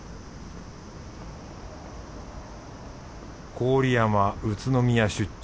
郡山宇都宮出張